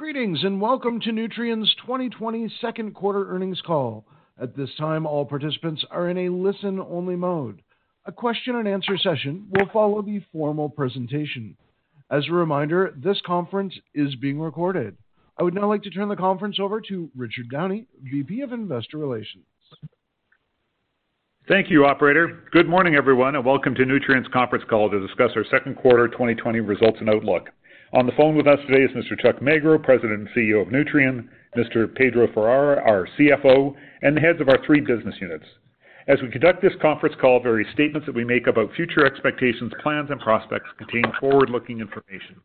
Greetings, welcome to Nutrien's 2020 second quarter earnings call. At this time, all participants are in a listen-only mode. A question and answer session will follow the formal presentation. As a reminder, this conference is being recorded. I would now like to turn the conference over to Richard Downey, VP of Investor Relations. Thank you, operator. Good morning, everyone, and welcome to Nutrien's conference call to discuss our second quarter 2020 results and outlook. On the phone with us today is Mr. Chuck Magro, President and CEO of Nutrien, Mr. Pedro Farah, our CFO, and the heads of our three business units. As we conduct this conference call, various statements that we make about future expectations, plans, and prospects contain forward-looking information.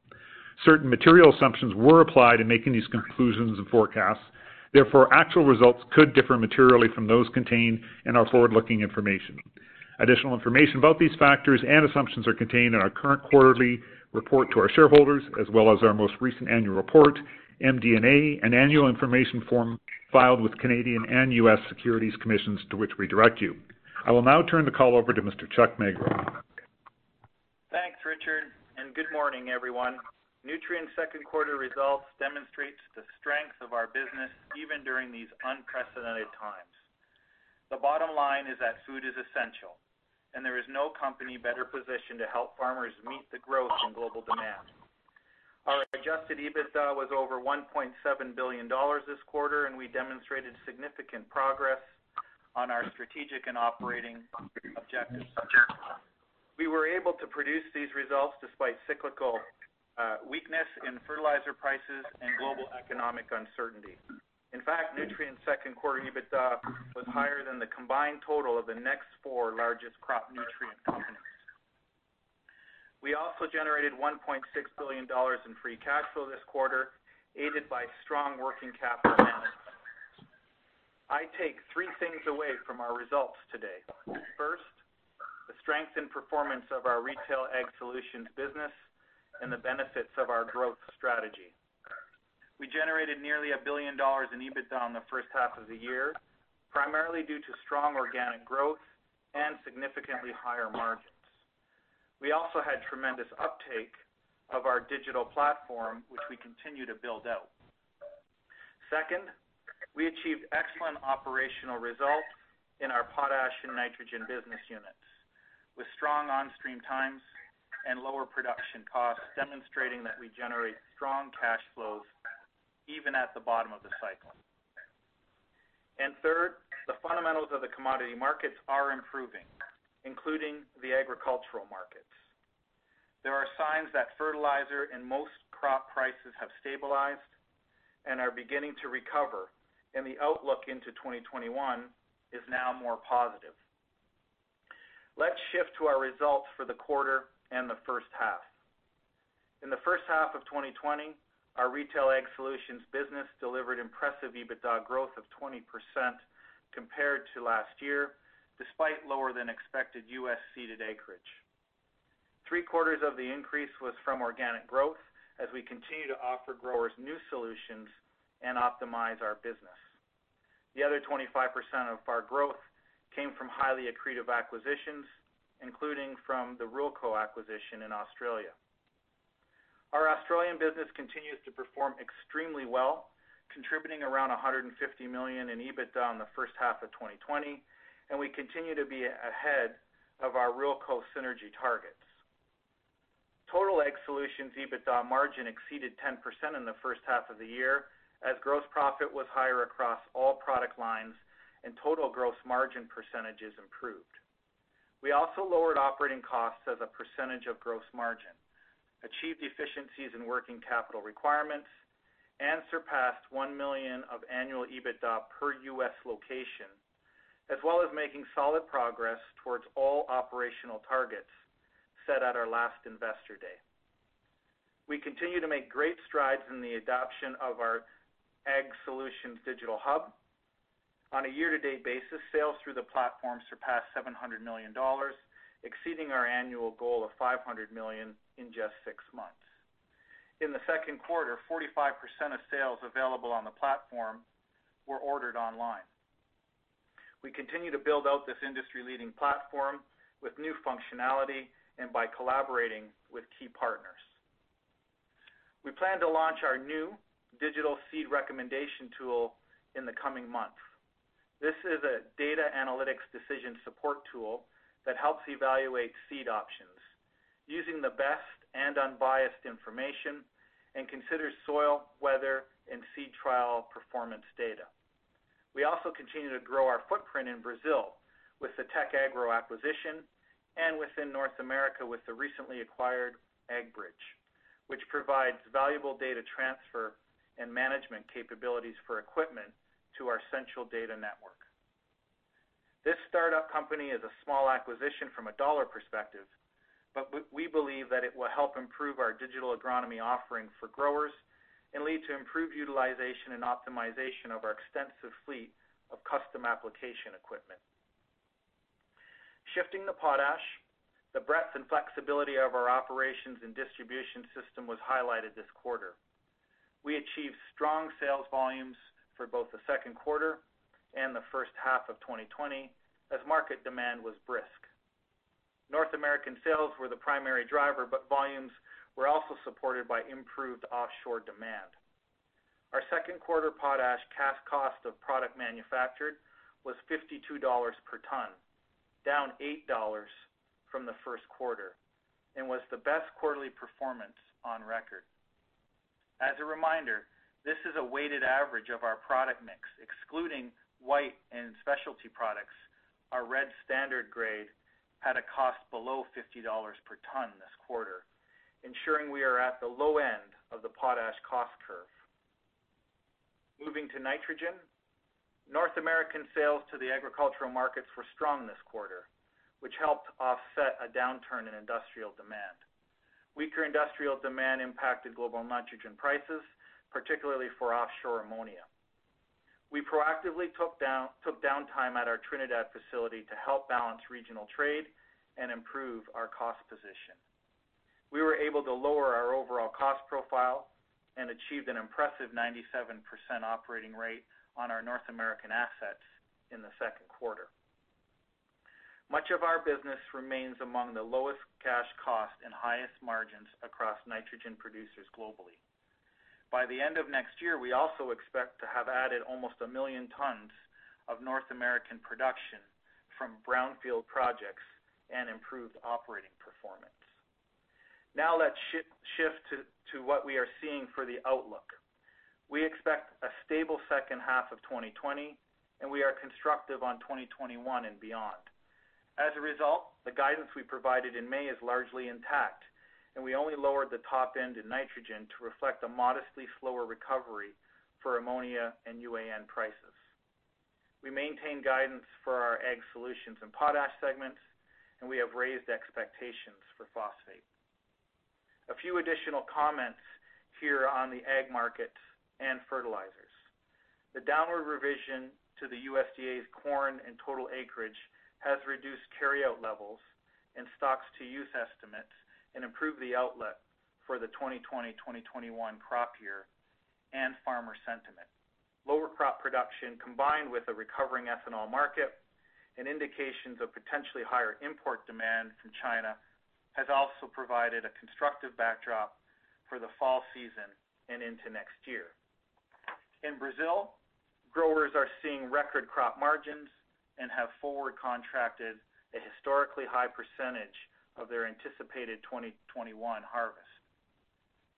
Certain material assumptions were applied in making these conclusions and forecasts. Therefore, actual results could differ materially from those contained in our forward-looking information. Additional information about these factors and assumptions are contained in our current quarterly report to our shareholders, as well as our most recent annual report, MD&A, and annual information form filed with Canadian and U.S. securities commissions to which we direct you. I will now turn the call over to Mr. Chuck Magro. Thanks, Richard. Good morning, everyone. Nutrien's second quarter results demonstrate the strength of our business even during these unprecedented times. The bottom line is that food is essential. There is no company better positioned to help farmers meet the growth in global demand. Our adjusted EBITDA was over 1.7 billion dollars this quarter. We demonstrated significant progress on our strategic and operating objectives. We were able to produce these results despite cyclical weakness in fertilizer prices and global economic uncertainty. In fact, Nutrien's second-quarter EBITDA was higher than the combined total of the next four largest crop nutrient companies. We also generated 1.6 billion dollars in free cash flow this quarter, aided by strong working capital. I take three things away from our results today. First, the strength and performance of our Retail Ag Solutions business and the benefits of our growth strategy. We generated nearly 1 billion dollars in EBITDA in the first half of the year, primarily due to strong organic growth and significantly higher margins. We also had tremendous uptake of our digital platform, which we continue to build out. Second, we achieved excellent operational results in our potash and nitrogen business units, with strong on-stream times and lower production costs, demonstrating that we generate strong cash flows even at the bottom of the cycle. Third, the fundamentals of the commodity markets are improving, including the agricultural markets. There are signs that fertilizer and most crop prices have stabilized and are beginning to recover, and the outlook into 2021 is now more positive. Let's shift to our results for the quarter and the first half. In the first half of 2020, our Nutrien Ag Solutions business delivered impressive EBITDA growth of 20% compared to last year, despite lower-than-expected U.S. seeded acreage. Three-quarters of the increase was from organic growth as we continue to offer growers new solutions and optimize our business. The other 25% of our growth came from highly accretive acquisitions, including from the Ruralco acquisition in Australia. Our Australian business continues to perform extremely well, contributing around 150 million in EBITDA in the first half of 2020, and we continue to be ahead of our Ruralco synergy targets. Total Ag Solutions EBITDA margin exceeded 10% in the first half of the year, as gross profit was higher across all product lines and total gross margin percentages improved. We also lowered operating costs as a percentage of gross margin, achieved efficiencies in working capital requirements, and surpassed 1 million of annual EBITDA per U.S. location, as well as making solid progress towards all operational targets set at our last Investor Day. We continue to make great strides in the adoption of our Nutrien Ag Solutions Digital Hub. On a year-to-date basis, sales through the platform surpassed 700 million dollars, exceeding our annual goal of 500 million in just six months. In the second quarter, 45% of sales available on the platform were ordered online. We continue to build out this industry-leading platform with new functionality and by collaborating with key partners. We plan to launch our new digital seed recommendation tool in the coming months. This is a data analytics decision support tool that helps evaluate seed options using the best and unbiased information and considers soil, weather, and seed trial performance data. We also continue to grow our footprint in Brazil with the Tec Agro acquisition and within North America with the recently acquired AgBridge, which provides valuable data transfer and management capabilities for equipment to our central data network. This startup company is a small acquisition from a dollar perspective, but we believe that it will help improve our digital agronomy offering for growers and lead to improved utilization and optimization of our extensive fleet of custom application equipment. Shifting to potash, the breadth and flexibility of our operations and distribution system was highlighted this quarter. We achieved strong sales volumes for both the second quarter and the first half of 2020 as market demand was brisk. North American sales were the primary driver, but volumes were also supported by improved offshore demand. Our second quarter potash cash cost of product manufactured was 52 dollars per ton, down 8 dollars from the first quarter, and was the best quarterly performance on record. As a reminder, this is a weighted average of our product mix. Excluding white and specialty products, our red standard grade had a cost below 50 dollars per ton this quarter, ensuring we are at the low end of the potash cost curve. Moving to nitrogen. North American sales to the agricultural markets were strong this quarter, which helped offset a downturn in industrial demand. Weaker industrial demand impacted global nitrogen prices, particularly for offshore ammonia. We proactively took downtime at our Trinidad facility to help balance regional trade and improve our cost position. We were able to lower our overall cost profile and achieved an impressive 97% operating rate on our North American assets in the second quarter. Much of our business remains among the lowest cash cost and highest margins across nitrogen producers globally. By the end of next year, we also expect to have added almost 1 million tons of North American production from brownfield projects and improved operating performance. Now let's shift to what we are seeing for the outlook. We expect a stable second half of 2020, and we are constructive on 2021 and beyond. As a result, the guidance we provided in May is largely intact, and we only lowered the top end in nitrogen to reflect a modestly slower recovery for ammonia and UAN prices. We maintain guidance for our Ag Solutions and Potash segments, and we have raised expectations for Phosphate. A few additional comments here on the ag market and fertilizers. The downward revision to the USDA's corn and total acreage has reduced carryout levels and stocks to use estimates and improve the outlet for the 2020-2021 crop year and farmer sentiment. Lower crop production, combined with a recovering ethanol market and indications of potentially higher import demand from China, has also provided a constructive backdrop for the fall season and into next year. In Brazil, growers are seeing record crop margins and have forward-contracted a historically high percentage of their anticipated 2021 harvest.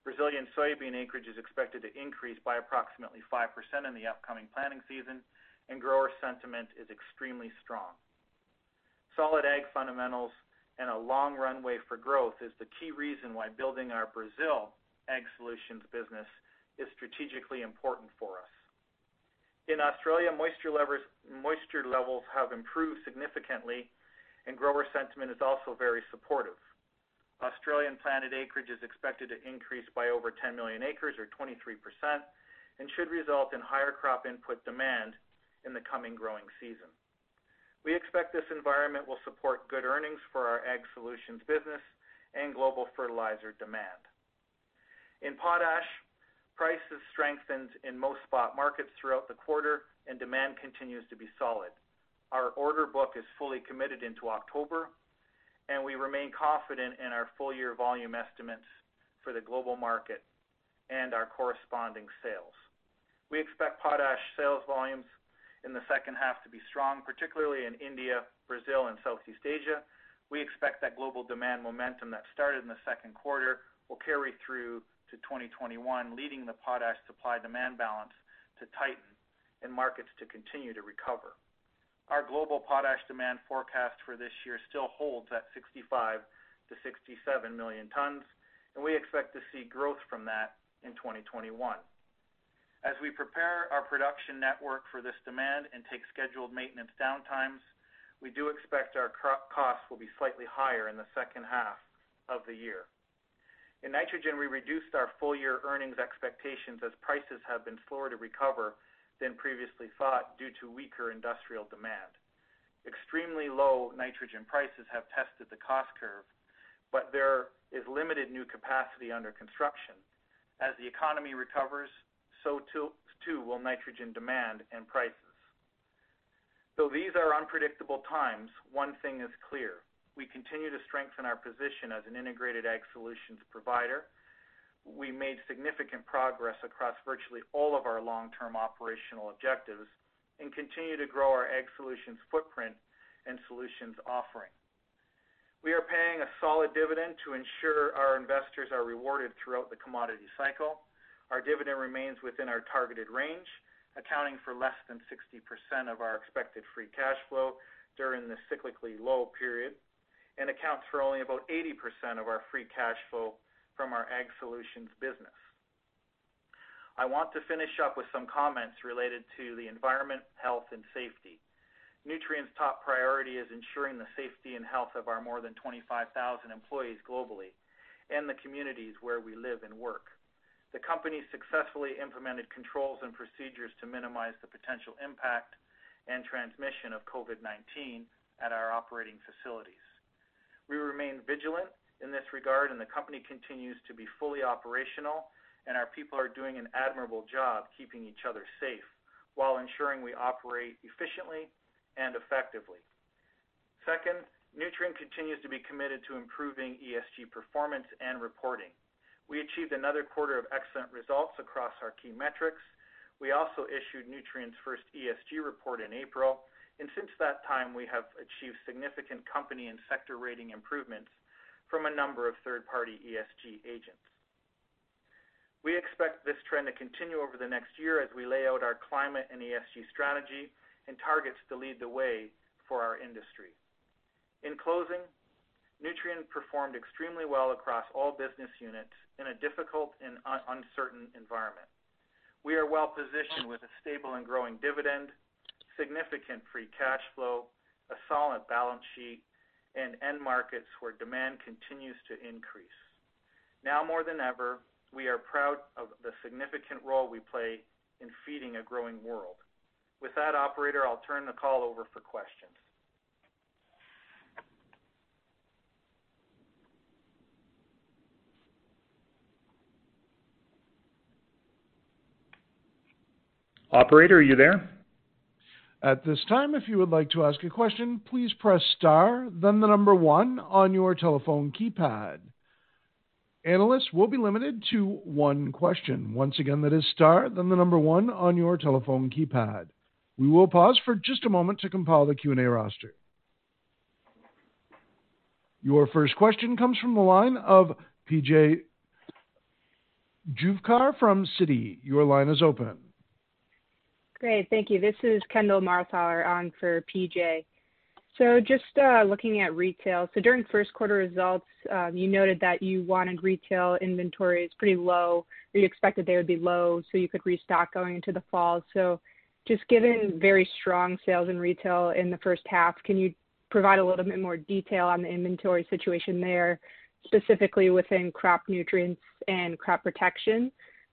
Brazilian soybean acreage is expected to increase by approximately 5% in the upcoming planting season, and grower sentiment is extremely strong. Solid ag fundamentals and a long runway for growth is the key reason why building our Brazil Ag Solutions business is strategically important for us. In Australia, moisture levels have improved significantly and grower sentiment is also very supportive. Australian planted acreage is expected to increase by over 10 million acres or 23%, and should result in higher crop input demand in the coming growing season. We expect this environment will support good earnings for our Ag Solutions business and global fertilizer demand. In potash, prices strengthened in most spot markets throughout the quarter, and demand continues to be solid. Our order book is fully committed into October, and we remain confident in our full-year volume estimates for the global market and our corresponding sales. We expect potash sales volumes in the second half to be strong, particularly in India, Brazil and Southeast Asia. We expect that global demand momentum that started in the second quarter will carry through to 2021, leading the potash supply-demand balance to tighten and markets to continue to recover. Our global potash demand forecast for this year still holds at 65-67 million tons, and we expect to see growth from that in 2021. As we prepare our production network for this demand and take scheduled maintenance downtimes, we do expect our costs will be slightly higher in the second half of the year. In nitrogen, we reduced our full-year earnings expectations as prices have been slower to recover than previously thought due to weaker industrial demand. Extremely low nitrogen prices have tested the cost curve, but there is limited new capacity under construction. As the economy recovers, so too will nitrogen demand and prices. Though these are unpredictable times, one thing is clear: we continue to strengthen our position as an integrated Ag Solutions provider. We made significant progress across virtually all of our long-term operational objectives and continue to grow our Ag Solutions footprint and solutions offering. We are paying a solid dividend to ensure our investors are rewarded throughout the commodity cycle. Our dividend remains within our targeted range, accounting for less than 60% of our expected free cash flow during this cyclically low period, and accounts for only about 80% of our free cash flow from our Ag Solutions business. I want to finish up with some comments related to the environment, health, and safety. Nutrien's top priority is ensuring the safety and health of our more than 25,000 employees globally and the communities where we live and work. The company successfully implemented controls and procedures to minimize the potential impact and transmission of COVID-19 at our operating facilities. We're vigilant in this regard, and the company continues to be fully operational, and our people are doing an admirable job keeping each other safe while ensuring we operate efficiently and effectively. Second, Nutrien continues to be committed to improving ESG performance and reporting. We achieved another quarter of excellent results across our key metrics. We also issued Nutrien's first ESG report in April. Since that time, we have achieved significant company and sector rating improvements from a number of third-party ESG agents. We expect this trend to continue over the next year as we lay out our climate and ESG strategy and targets to lead the way for our industry. In closing, Nutrien performed extremely well across all business units in a difficult and uncertain environment. We are well-positioned with a stable and growing dividend, significant free cash flow, a solid balance sheet, and end markets where demand continues to increase. Now more than ever, we are proud of the significant role we play in feeding a growing world. With that, operator, I'll turn the call over for questions. Operator, are you there? At this time, if you would like to ask a question, please press star then the number one on your telephone keypad. Analysts will be limited to one question. Once again, that is star then the number one on your telephone keypad. We will pause for just a moment to compile the Q&A roster. Your first question comes from the line of P.J. Juvekar from Citi. Your line is open. Great. Thank you. This is Kendall Marthaler on for P.J. Just looking at retail. During first quarter results, you noted that you wanted retail inventories pretty low, or you expected they would be low so you could restock going into the fall. Just given very strong sales in retail in the first half, can you provide a little bit more detail on the inventory situation there, specifically within crop nutrients and crop protection?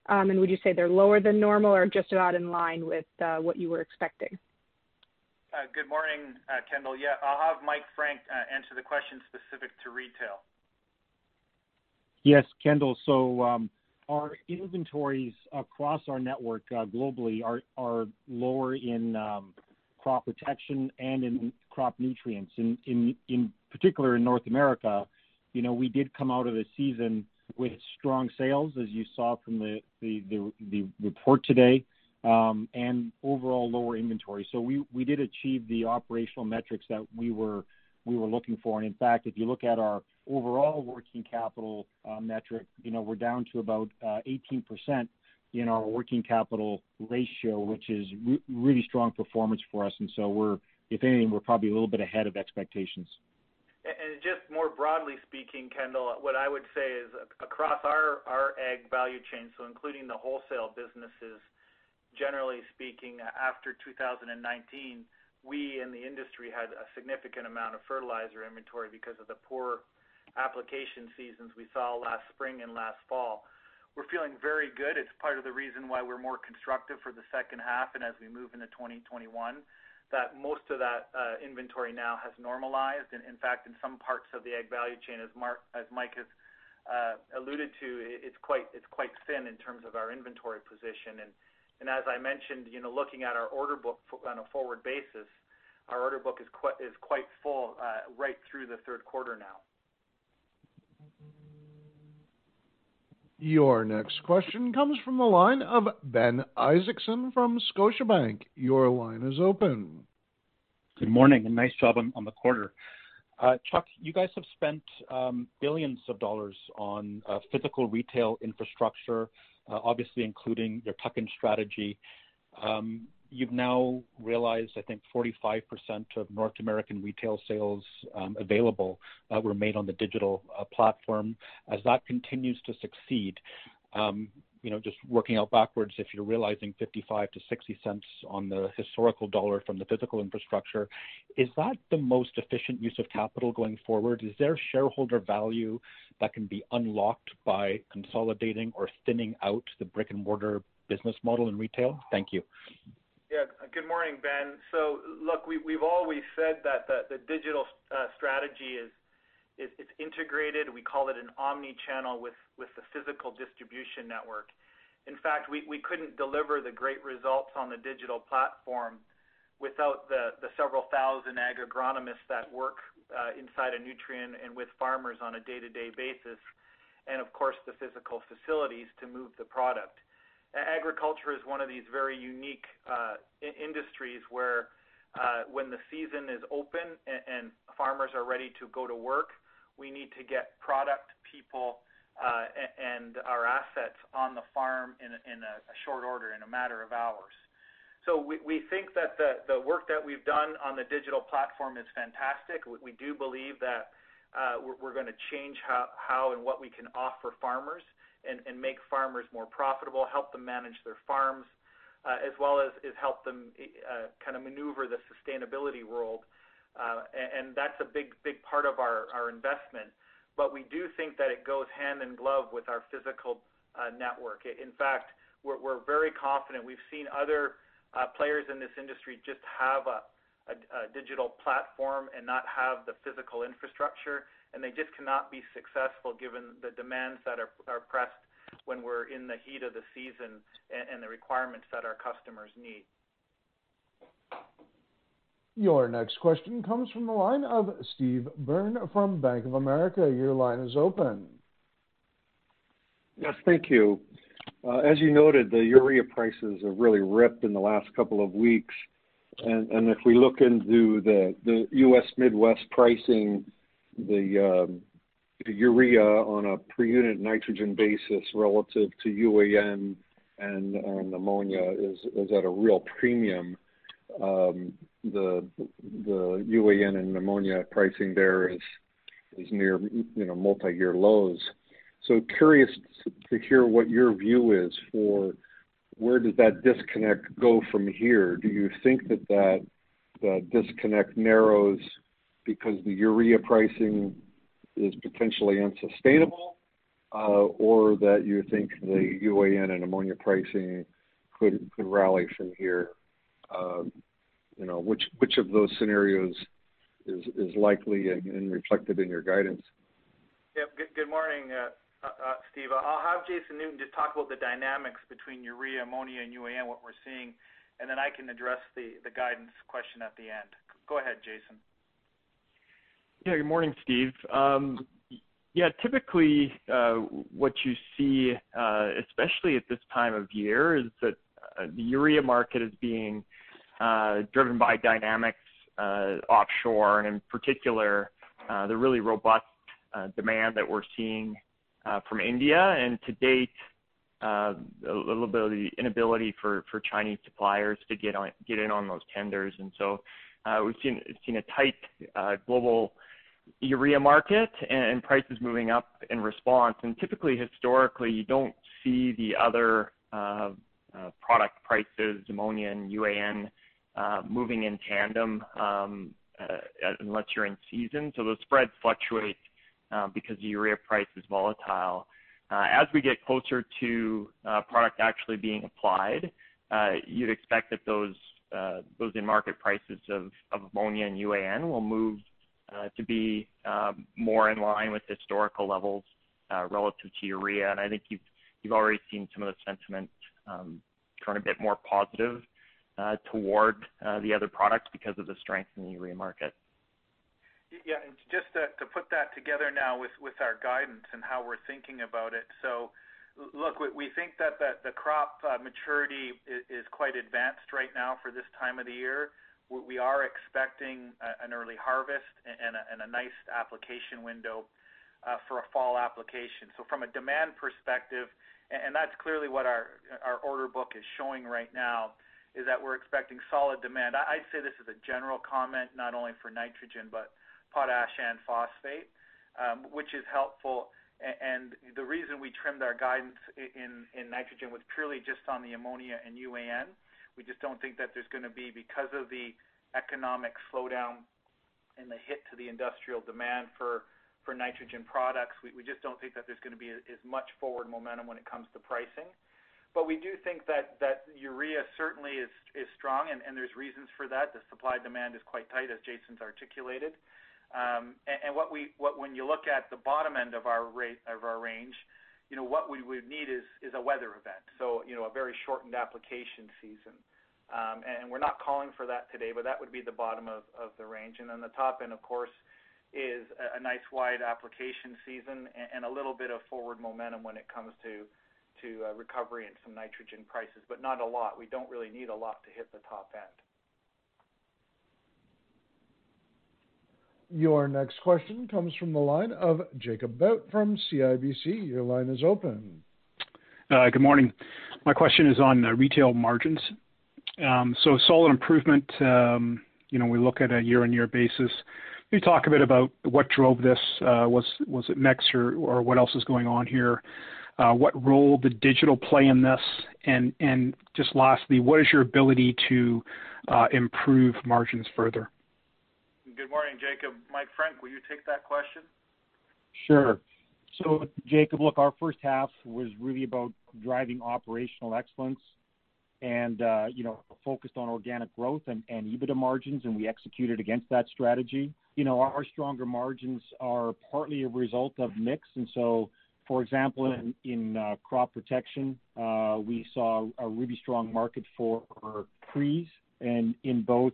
Would you say they're lower than normal or just about in line with what you were expecting? Good morning, Kendall. Yeah. I'll have Mike Frank answer the question specific to retail. Yes, Kendall. Our inventories across our network globally are lower in crop protection and in crop nutrients. In particular in North America, we did come out of the season with strong sales, as you saw from the report today, and overall lower inventory. We did achieve the operational metrics that we were looking for. In fact, if you look at our overall working capital metric, we're down to about 18% in our working capital ratio, which is really strong performance for us. If anything, we're probably a little bit ahead of expectations. Just more broadly speaking, Kendall, what I would say is across our ag value chain, so including the wholesale businesses, generally speaking, after 2019, we in the industry had a significant amount of fertilizer inventory because of the poor application seasons we saw last spring and last fall. We're feeling very good. It's part of the reason why we're more constructive for the second half and as we move into 2021, that most of that inventory now has normalized. In fact, in some parts of the ag value chain, as Mike has alluded to, it's quite thin in terms of our inventory position. As I mentioned, looking at our order book on a forward basis, our order book is quite full right through the third quarter now. Your next question comes from the line of Ben Isaacson from Scotiabank. Your line is open. Good morning. Nice job on the quarter. Chuck, you guys have spent billions of CAD on physical retail infrastructure, obviously including your tuck-in strategy. You've now realized, I think, 45% of North American retail sales available were made on the digital platform. As that continues to succeed, just working out backwards, if you're realizing 0.55-0.60 on the historical CAD from the physical infrastructure, is that the most efficient use of capital going forward? Is there shareholder value that can be unlocked by consolidating or thinning out the brick-and-mortar business model in retail? Thank you. Yeah. Good morning, Ben. Look, we've always said that the digital strategy is integrated. We call it an omni-channel with the physical distribution network. In fact, we couldn't deliver the great results on the digital platform without the several thousand agronomists that work inside of Nutrien and with farmers on a day-to-day basis, and of course, the physical facilities to move the product. Agriculture is one of these very unique industries where when the season is open and farmers are ready to go to work, we need to get product, people, and our assets on the farm in a short order, in a matter of hours. We think that the work that we've done on the digital platform is fantastic. We do believe that we're going to change how and what we can offer farmers and make farmers more profitable, help them manage their farms, as well as help them kind of maneuver the sustainability world. That's a big part of our investment. We do think that it goes hand in glove with our physical network. In fact, we're very confident. We've seen other players in this industry just have a digital platform and not have the physical infrastructure, and they just cannot be successful given the demands that are pressed when we're in the heat of the season and the requirements that our customers need. Your next question comes from the line of Steve Byrne from Bank of America. Your line is open. Yes, thank you. As you noted, the urea prices have really ripped in the last couple of weeks. If we look into the U.S. Midwest pricing, the urea on a per unit nitrogen basis relative to UAN and ammonia is at a real premium. The UAN and ammonia pricing there is near multi-year lows. Curious to hear what your view is for where does that disconnect go from here? Do you think that that disconnect narrows because the urea pricing is potentially unsustainable, or that you think the UAN and ammonia pricing could rally from here? Which of those scenarios is likely and reflected in your guidance? Yep. Good morning, Steve. I'll have Jason Newton just talk about the dynamics between urea, ammonia, and UAN, what we're seeing, and then I can address the guidance question at the end. Go ahead, Jason. Yeah. Good morning, Steve. Yeah, typically what you see, especially at this time of year, is that the urea market is being driven by dynamics offshore, and in particular, the really robust demand that we're seeing from India. To date, a little bit of the inability for Chinese suppliers to get in on those tenders. We've seen a tight global urea market and prices moving up in response. Typically, historically, you don't see the other product prices, ammonia and UAN, moving in tandem unless you're in season. Those spreads fluctuate because the urea price is volatile. As we get closer to product actually being applied, you'd expect that those end market prices of ammonia and UAN will move to be more in line with historical levels relative to urea. I think you've already seen some of the sentiment turn a bit more positive toward the other products because of the strength in the urea market. Yeah. Just to put that together now with our guidance and how we're thinking about it. Look, we think that the crop maturity is quite advanced right now for this time of the year. We are expecting an early harvest and a nice application window for a fall application. From a demand perspective, and that's clearly what our order book is showing right now, is that we're expecting solid demand. I'd say this as a general comment, not only for nitrogen, but potash and phosphate, which is helpful. The reason we trimmed our guidance in nitrogen was purely just on the ammonia and UAN. We just don't think that there's going to be because of the economic slowdown and the hit to the industrial demand for nitrogen products. We just don't think that there's going to be as much forward momentum when it comes to pricing. We do think that urea certainly is strong, and there's reasons for that. The supply-demand is quite tight, as Jason's articulated. When you look at the bottom end of our range, what we would need is a weather event, so a very shortened application season. We're not calling for that today, but that would be the bottom of the range. Then the top end, of course, is a nice wide application season and a little bit of forward momentum when it comes to recovery in some nitrogen prices, but not a lot. We don't really need a lot to hit the top end. Your next question comes from the line of Jakob Godbout from CIBC. Your line is open. Good morning. My question is on retail margins. Solid improvement, we look at a year-on-year basis. Can you talk a bit about what drove this? Was it mix or what else is going on here? What role did digital play in this? Just lastly, what is your ability to improve margins further? Good morning, Jakob. Mike Frank, will you take that question? Sure. Jakob, look, our first half was really about driving operational excellence and focused on organic growth and EBITDA margins, and we executed against that strategy. Our stronger margins are partly a result of mix, for example, in crop protection, we saw a really strong market for trees and in both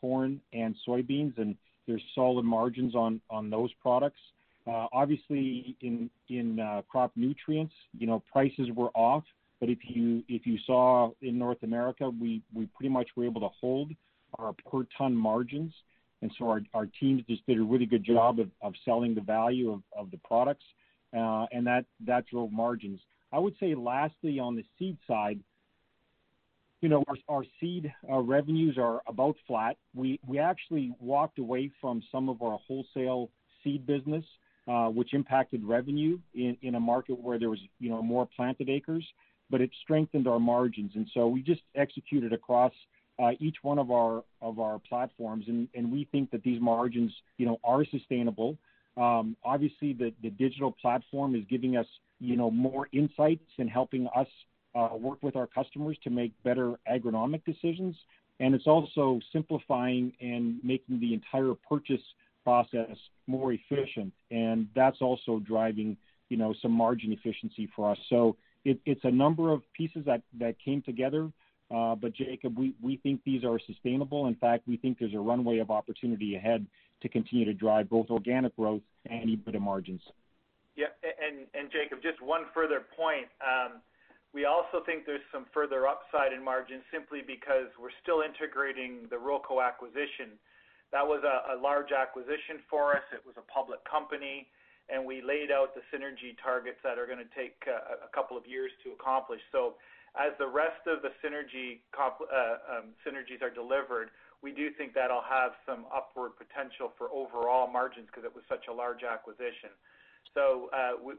corn and soybeans, and there's solid margins on those products. Obviously, in crop nutrients, prices were off. If you saw in North America, we pretty much were able to hold our per ton margins, our teams just did a really good job of selling the value of the products, and that drove margins. I would say lastly, on the seed side. Our seed revenues are about flat. We actually walked away from some of our wholesale seed business, which impacted revenue in a market where there was more planted acres, but it strengthened our margins. We just executed across each one of our platforms, and we think that these margins are sustainable. Obviously, the digital platform is giving us more insights and helping us work with our customers to make better agronomic decisions. It's also simplifying and making the entire purchase process more efficient. That's also driving some margin efficiency for us. It's a number of pieces that came together. Jakob, we think these are sustainable. In fact, we think there's a runway of opportunity ahead to continue to drive both organic growth and EBITDA margins. Yeah, Jakob, just one further point. We also think there's some further upside in margins simply because we're still integrating the Ruralco acquisition. That was a large acquisition for us. It was a public company, and we laid out the synergy targets that are going to take a couple of years to accomplish. As the rest of the synergies are delivered, we do think that'll have some upward potential for overall margins because it was such a large acquisition.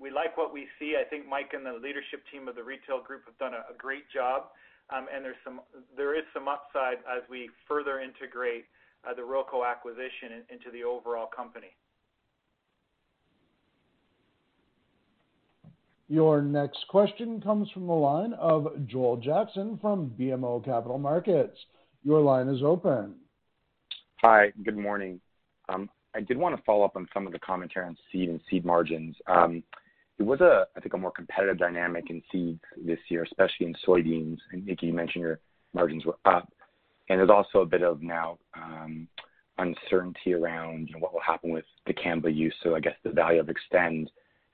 We like what we see. I think Mike and the leadership team of the retail group have done a great job. There is some upside as we further integrate the Ruralco acquisition into the overall company. Your next question comes from the line of Joel Jackson from BMO Capital Markets. Your line is open. Hi, good morning. I did want to follow up on some of the commentary on seed and seed margins. It was, I think, a more competitive dynamic in seed this year, especially in soybeans. Mike, you mentioned your margins were up. There's also a bit of now uncertainty around what will happen with the dicamba use. I guess the value of Xtend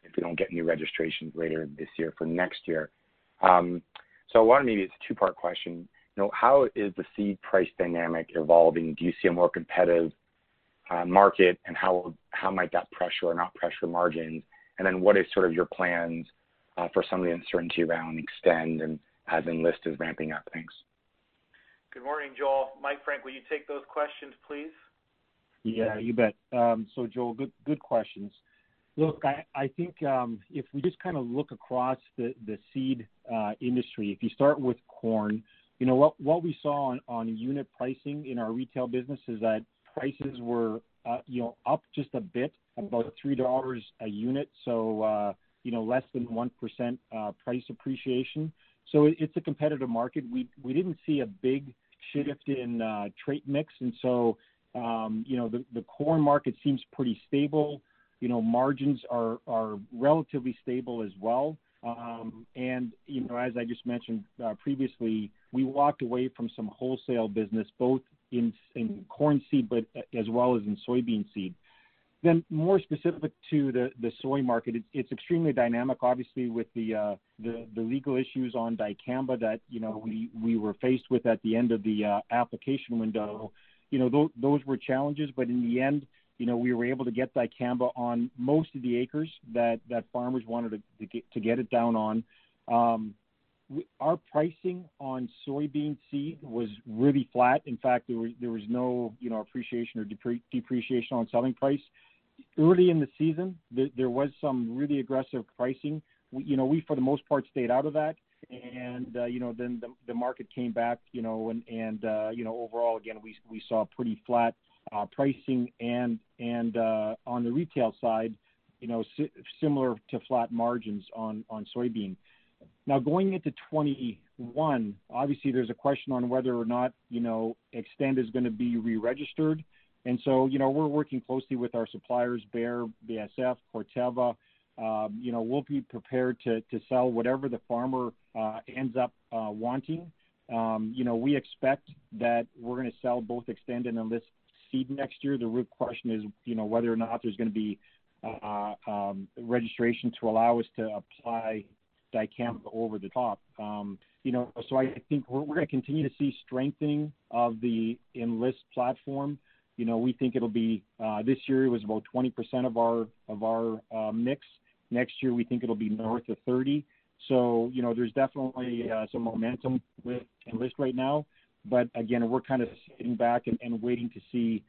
if we don't get new registrations later this year for next year. Maybe it's a two part question. How is the seed price dynamic evolving? Do you see a more competitive market and how might that pressure or not pressure margins? What is sort of your plans for some of the uncertainty around Xtend and as Enlist is ramping up? Thanks. Good morning, Joel. Mike Frank, will you take those questions, please? Yeah, you bet. Joel, good questions. Look, I think if we just kind of look across the seed industry, if you start with corn, what we saw on unit pricing in our retail business is that prices were up just a bit, about 3 dollars a unit. Less than 1% price appreciation. It's a competitive market. We didn't see a big shift in trait mix. The corn market seems pretty stable. Margins are relatively stable as well. As I just mentioned previously, we walked away from some wholesale business, both in corn seed, but as well as in soybean seed. More specific to the soy market, it's extremely dynamic, obviously, with the legal issues on dicamba that we were faced with at the end of the application window. Those were challenges, but in the end, we were able to get dicamba on most of the acres that farmers wanted to get it down on. Our pricing on soybean seed was really flat. In fact, there was no appreciation or depreciation on selling price. Early in the season, there was some really aggressive pricing. We, for the most part, stayed out of that. Then the market came back, and overall, again, we saw pretty flat pricing, and on the retail side, similar to flat margins on soybean. Now going into 2021, obviously there's a question on whether or not Xtend is going to be re-registered. So we're working closely with our suppliers, Bayer, BASF, Corteva. We'll be prepared to sell whatever the farmer ends up wanting. We expect that we're going to sell both Xtend and Enlist seed next year. The real question is whether or not there's going to be registration to allow us to apply dicamba over the top. I think we're going to continue to see strengthening of the Enlist platform. This year it was about 20% of our mix. Next year, we think it'll be north of 30. There's definitely some momentum with Enlist right now. Again, we're kind of sitting back and waiting to see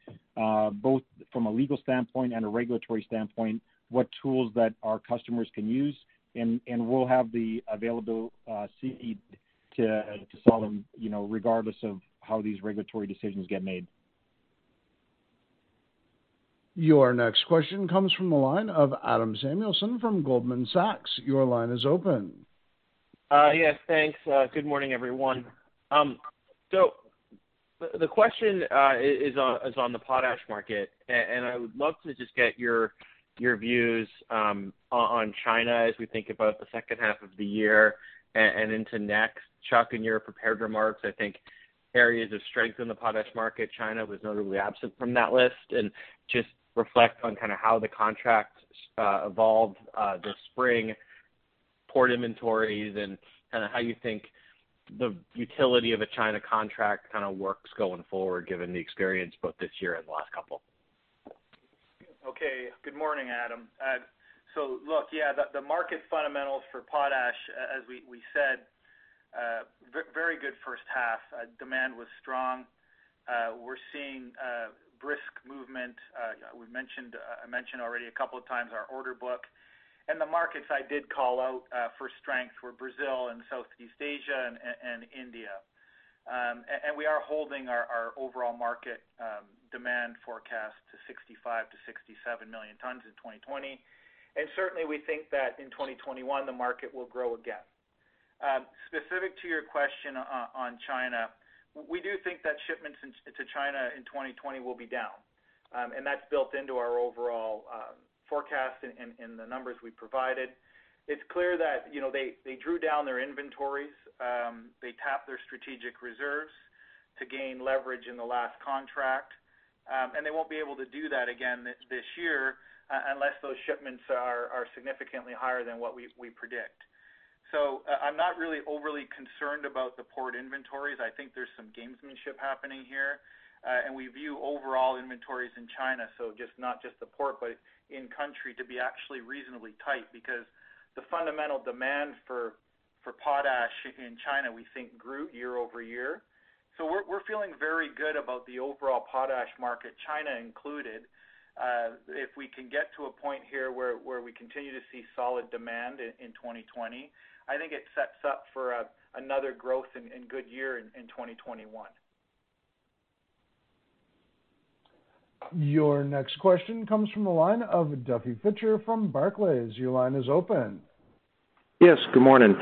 both from a legal standpoint and a regulatory standpoint, what tools that our customers can use, and we'll have the available seed to sell them regardless of how these regulatory decisions get made. Your next question comes from the line of Adam Samuelson from Goldman Sachs. Your line is open. Yes, thanks. Good morning, everyone. The question is on the potash market, and I would love to just get your views on China as we think about the second half of the year and into next. Chuck, in your prepared remarks, I think areas of strength in the potash market, China was notably absent from that list. Just reflect on kind of how the contracts evolved this spring, port inventories, and kind of how you think the utility of a China contract kind of works going forward, given the experience both this year and the last couple. Good morning, Adam. Look, yeah, the market fundamentals for potash, as we said, very good first half. Demand was strong. We're seeing brisk movement. I mentioned already a couple of times our order book, the markets I did call out for strength were Brazil and Southeast Asia and India. We are holding our overall market demand forecast to 65 million-67 million tons in 2020. Certainly, we think that in 2021, the market will grow again. Specific to your question on China, we do think that shipments to China in 2020 will be down, and that's built into our overall forecast in the numbers we provided. It's clear that they drew down their inventories. They tapped their strategic reserves to gain leverage in the last contract. They won't be able to do that again this year, unless those shipments are significantly higher than what we predict. I'm not really overly concerned about the port inventories. I think there's some gamesmanship happening here. We view overall inventories in China, so not just the port, but in country, to be actually reasonably tight because the fundamental demand for potash in China, we think, grew year-over-year. We're feeling very good about the overall potash market, China included. If we can get to a point here where we continue to see solid demand in 2020, I think it sets up for another growth and good year in 2021. Your next question comes from the line of Duffy Fischer from Barclays. Your line is open. Yes, good morning.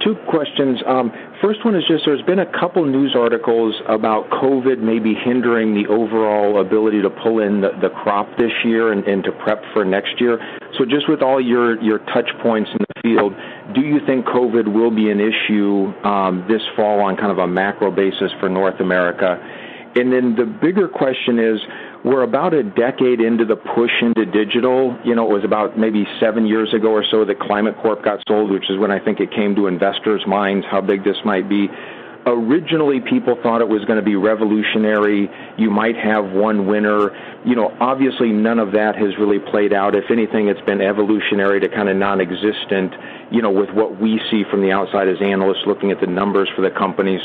Two questions. First one is just there's been a couple news articles about COVID maybe hindering the overall ability to pull in the crop this year and to prep for next year. Just with all your touchpoints in the field, do you think COVID will be an issue this fall on kind of a macro basis for North America? The bigger question is: we're about a decade into the push into digital. It was about maybe seven years ago or so that Climate Corp got sold, which is when I think it came to investors' minds how big this might be. Originally, people thought it was going to be revolutionary. You might have one winner. Obviously, none of that has really played out. If anything, it's been evolutionary to kind of nonexistent, with what we see from the outside as analysts looking at the numbers for the company.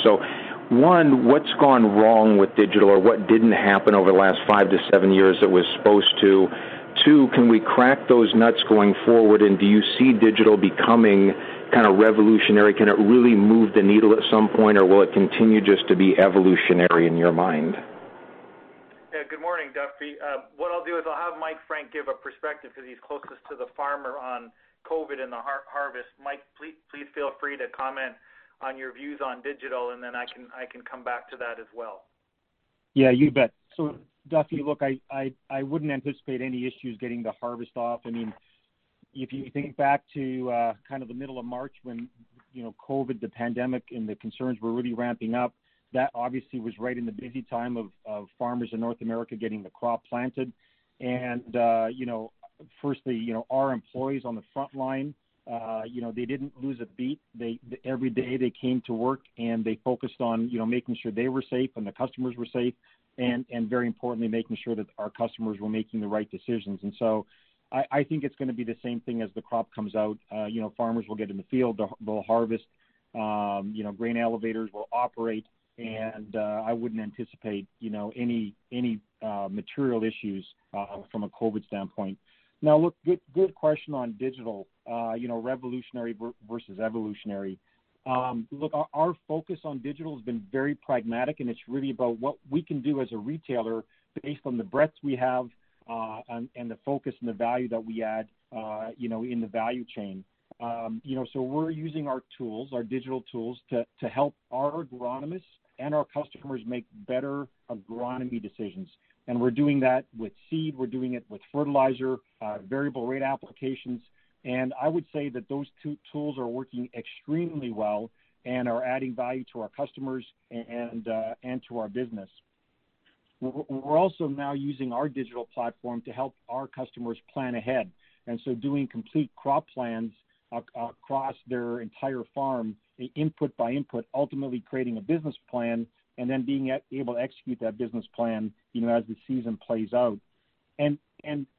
One, what's gone wrong with digital, or what didn't happen over the last five to seven years that was supposed to? Two, can we crack those nuts going forward, and do you see digital becoming kind of revolutionary? Can it really move the needle at some point, or will it continue just to be evolutionary in your mind? Yeah. Good morning, Duffy. What I'll do is I'll have Mike Frank give a perspective because he's closest to the farmer on COVID and the harvest. Mike, please feel free to comment on your views on digital, and then I can come back to that as well. Yeah, you bet. Duffy, look, I wouldn't anticipate any issues getting the harvest off. If you think back to kind of the middle of March when COVID, the pandemic, and the concerns were really ramping up, that obviously was right in the busy time of farmers in North America getting the crop planted. Firstly, our employees on the front line, they didn't lose a beat. Every day they came to work, and they focused on making sure they were safe and the customers were safe, and very importantly, making sure that our customers were making the right decisions. I think it's going to be the same thing as the crop comes out. Farmers will get in the field. They'll harvest. Grain elevators will operate. I wouldn't anticipate any material issues from a COVID standpoint. Now, look, good question on digital, revolutionary versus evolutionary. Look, our focus on digital has been very pragmatic. It's really about what we can do as a retailer based on the breadth we have and the focus and the value that we add in the value chain. We're using our tools, our digital tools, to help our agronomists and our customers make better agronomy decisions. We're doing that with seed. We're doing it with fertilizer, variable rate applications. I would say that those tools are working extremely well and are adding value to our customers and to our business. We're also now using our digital platform to help our customers plan ahead. Doing complete crop plans across their entire farm, input by input, ultimately creating a business plan and then being able to execute that business plan as the season plays out.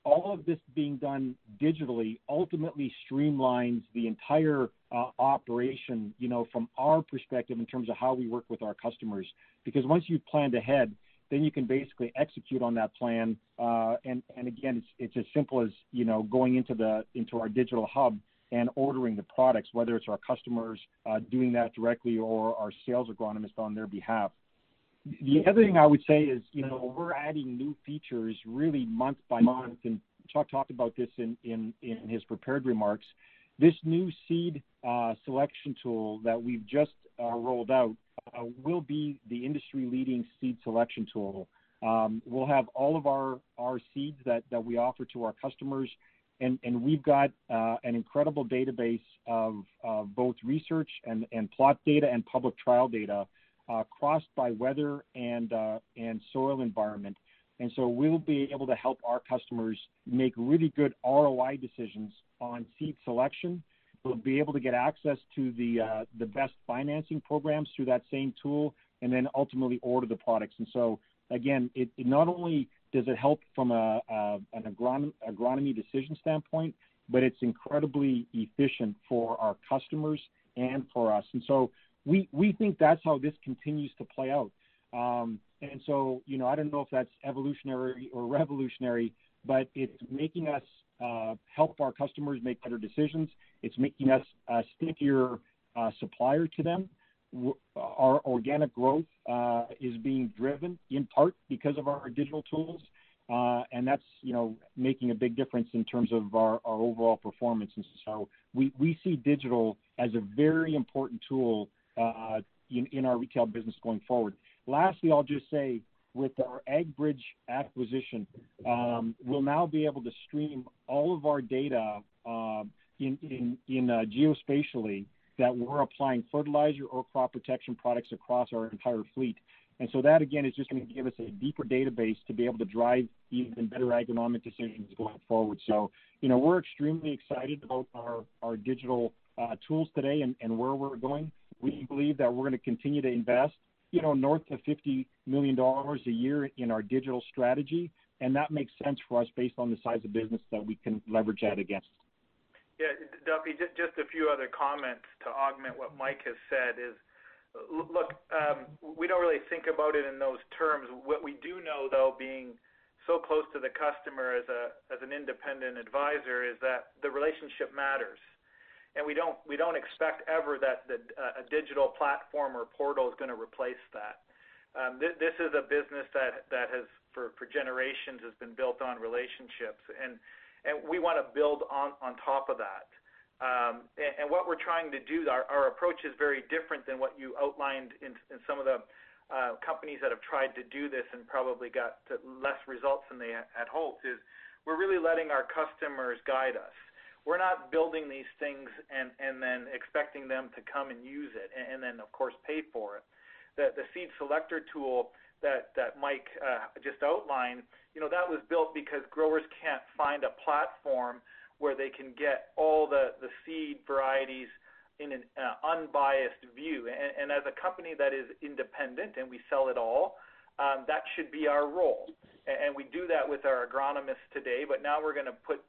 All of this being done digitally ultimately streamlines the entire operation from our perspective in terms of how we work with our customers. Once you've planned ahead, then you can basically execute on that plan. Again, it's as simple as going into our Digital Hub and ordering the products, whether it's our customers doing that directly or our sales agronomists on their behalf. The other thing I would say is we're adding new features really month by month, and Chuck talked about this in his prepared remarks. This new seed selection tool that we've just rolled out will be the industry-leading seed selection tool. We'll have all of our seeds that we offer to our customers, and we've got an incredible database of both research and plot data and public trial data crossed by weather and soil environment. We'll be able to help our customers make really good ROI decisions on seed selection. We'll be able to get access to the best financing programs through that same tool, and then ultimately order the products. Again, not only does it help from an agronomy decision standpoint, but it's incredibly efficient for our customers and for us. We think that's how this continues to play out. I don't know if that's evolutionary or revolutionary, but it's making us help our customers make better decisions. It's making us a stickier supplier to them. Our organic growth is being driven in part because of our digital tools. That's making a big difference in terms of our overall performance. We see digital as a very important tool in our retail business going forward. I'll just say, with our AGBRIDGE acquisition, we'll now be able to stream all of our data geospatially that we're applying fertilizer or crop protection products across our entire fleet. That, again, is just going to give us a deeper database to be able to drive even better agronomic decisions going forward. We're extremely excited about our digital tools today and where we're going. We believe that we're going to continue to invest north of 50 million dollars a year in our digital strategy, and that makes sense for us based on the size of business that we can leverage that against. Duffy, just a few other comments to augment what Mike has said is, look, we don't really think about it in those terms. What we do know, though, being so close to the customer as an independent adviser, is that the relationship matters. We don't expect ever that a digital platform or portal is going to replace that. This is a business that has, for generations, been built on relationships, and we want to build on top of that. What we're trying to do, our approach is very different than what you outlined in some of the companies that have tried to do this and probably got less results than they had hoped is we're really letting our customers guide us. We're not building these things and then expecting them to come and use it, and then of course pay for it. The seed selector tool that Mike just outlined, that was built because growers can't find a platform where they can get all the seed varieties in an unbiased view. As a company that is independent and we sell it all, that should be our role. We do that with our agronomists today, but now we're going to put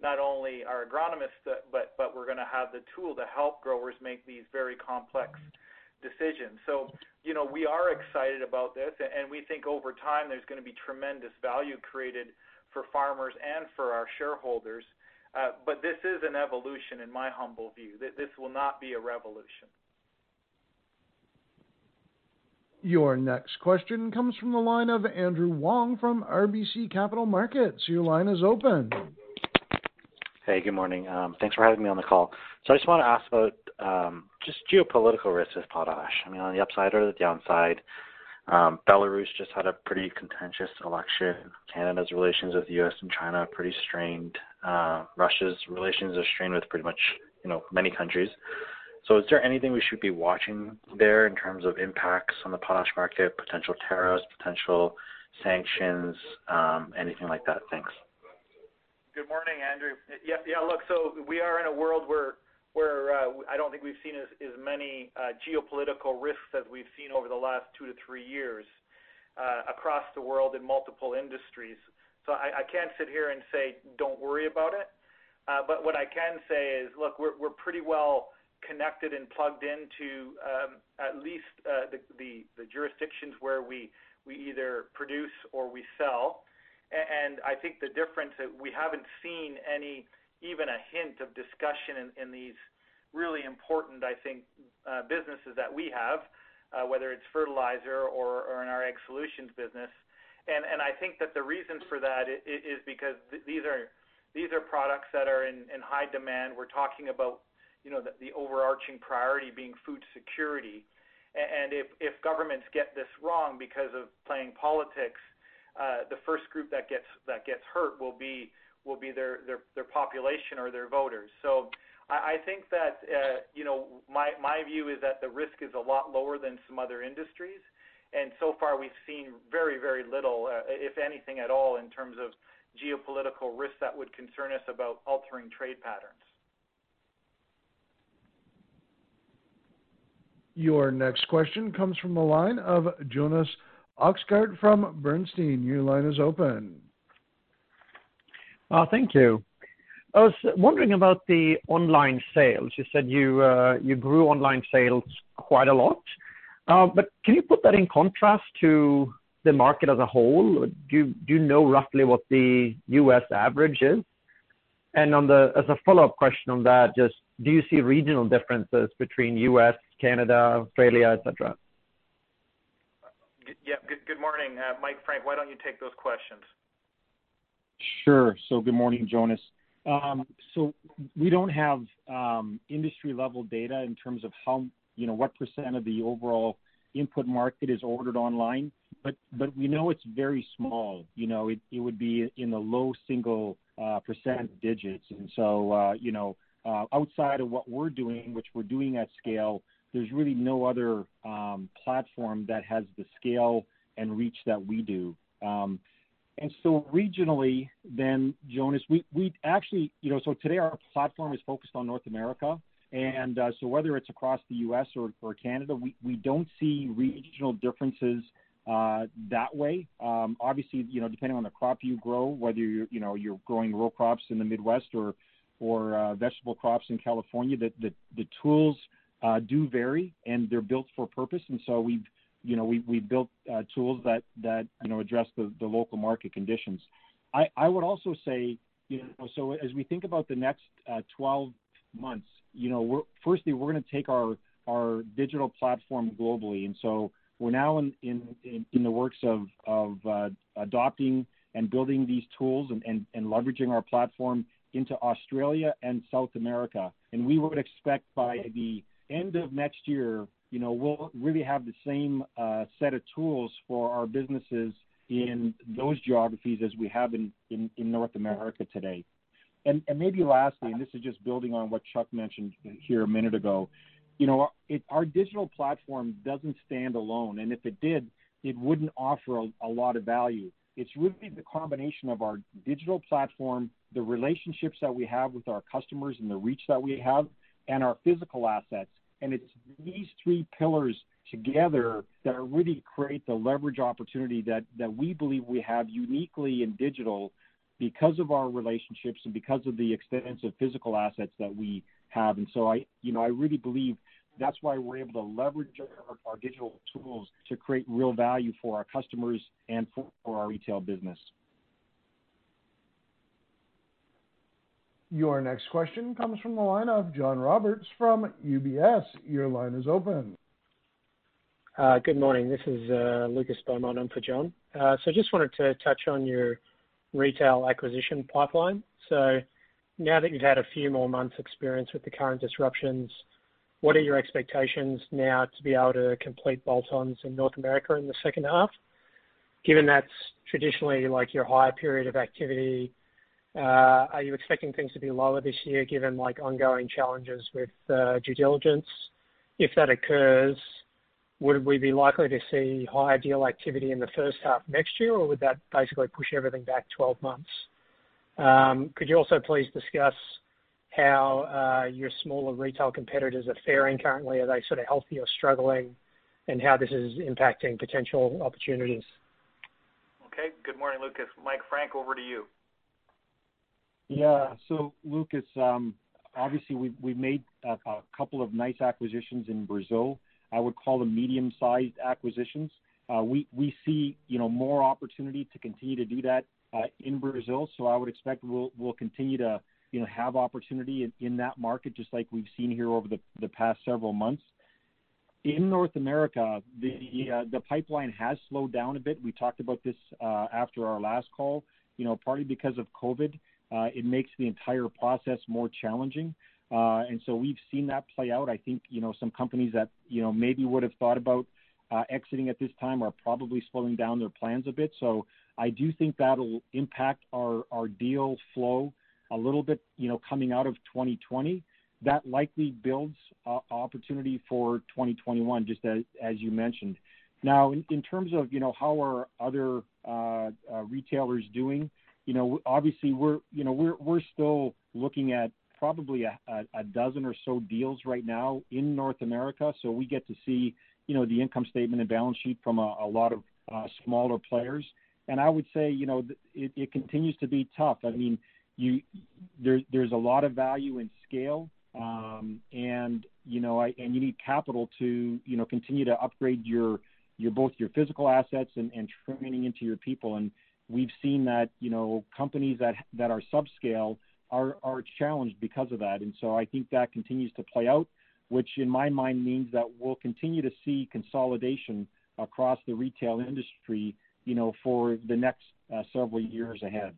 not only our agronomists, but we're going to have the tool to help growers make these very complex decisions. We are excited about this, and we think over time there's going to be tremendous value created for farmers and for our shareholders. This is an evolution in my humble view. This will not be a revolution. Your next question comes from the line of Andrew Wong from RBC Capital Markets. Your line is open. Hey, good morning. Thanks for having me on the call. I just want to ask about just geopolitical risks with potash. On the upside or the downside, Belarus just had a pretty contentious election. Canada's relations with the U.S. and China are pretty strained. Russia's relations are strained with pretty much many countries. Is there anything we should be watching there in terms of impacts on the potash market, potential tariffs, potential sanctions, anything like that? Thanks. Good morning, Andrew. Yeah, look, we are in a world where I don't think we've seen as many geopolitical risks as we've seen over the last two to three years across the world in multiple industries. I can't sit here and say, "Don't worry about it." What I can say is, look, we're pretty well connected and plugged into at least the jurisdictions where we either produce or we sell. I think the difference that we haven't seen any even a hint of discussion in these really important, I think, businesses that we have, whether it's fertilizer or in our Ag Solutions business. I think that the reason for that is because these are products that are in high demand. We're talking about the overarching priority being food security. If governments get this wrong because of playing politics, the first group that gets hurt will be their population or their voters. I think that my view is that the risk is a lot lower than some other industries. So far, we've seen very, very little, if anything at all, in terms of geopolitical risk that would concern us about altering trade patterns. Your next question comes from the line of Jonas Oxgaard from Bernstein. Your line is open. Thank you. I was wondering about the online sales. You said you grew online sales quite a lot. Can you put that in contrast to the market as a whole? Do you know roughly what the U.S. average is? As a follow-up question on that, just do you see regional differences between U.S., Canada, Australia, et cetera? Yeah. Good morning. Mike Frank, why don't you take those questions? Sure. Good morning, Jonas. We don't have industry level data in terms of what % of the overall input market is ordered online. We know it's very small. It would be in the low single % digits. Outside of what we're doing, which we're doing at scale, there's really no other platform that has the scale and reach that we do. Regionally then, Jonas, today our platform is focused on North America. Whether it's across the U.S. or Canada, we don't see regional differences that way. Obviously, depending on the crop you grow, whether you're growing row crops in the Midwest or vegetable crops in California, the tools do vary, and they're built for purpose. We've built tools that address the local market conditions. I would also say, so as we think about the next 12 months, firstly, we're going to take our digital platform globally. We're now in the works of adopting and building these tools and leveraging our platform into Australia and South America. We would expect by the end of next year, we'll really have the same set of tools for our businesses in those geographies as we have in North America today. Maybe lastly, and this is just building on what Chuck mentioned here a minute ago. Our digital platform doesn't stand alone, and if it did, it wouldn't offer a lot of value. It's really the combination of our digital platform, the relationships that we have with our customers and the reach that we have, and our physical assets. It's these three pillars together that really create the leverage opportunity that we believe we have uniquely in digital because of our relationships and because of the extensive physical assets that we have. I really believe that's why we're able to leverage our digital tools to create real value for our customers and for our retail business. Your next question comes from the line of John Roberts from UBS. Your line is open. Good morning. This is Lucas Beaumont on for John. Just wanted to touch on your retail acquisition pipeline. Now that you've had a few more months experience with the current disruptions, what are your expectations now to be able to complete bolt-ons in North America in the second half? Given that's traditionally your higher period of activity, are you expecting things to be lower this year given ongoing challenges with due diligence? If that occurs, would we be likely to see higher deal activity in the first half next year, or would that basically push everything back 12 months? Could you also please discuss how your smaller retail competitors are faring currently? Are they sort of healthy or struggling, and how this is impacting potential opportunities? Okay. Good morning, Lucas. Mike Frank, over to you. Lucas, obviously we made a couple of nice acquisitions in Brazil. I would call them medium-sized acquisitions. We see more opportunity to continue to do that in Brazil. I would expect we'll continue to have opportunity in that market, just like we've seen here over the past several months. In North America, the pipeline has slowed down a bit. We talked about this after our last call. Partly because of COVID. It makes the entire process more challenging. We've seen that play out. I think some companies that maybe would've thought about exiting at this time are probably slowing down their plans a bit. I do think that'll impact our deal flow a little bit coming out of 2020. That likely builds opportunity for 2021, just as you mentioned. In terms of how are other retailers doing, obviously we're still looking at probably 12 or so deals right now in North America. We get to see the income statement and balance sheet from a lot of smaller players. I would say it continues to be tough. There's a lot of value in scale. You need capital to continue to upgrade both your physical assets and training into your people. We've seen that companies that are subscale are challenged because of that. I think that continues to play out, which in my mind means that we'll continue to see consolidation across the retail industry for the next several years ahead.